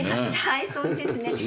はいそうですね。